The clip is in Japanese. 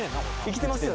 生きてます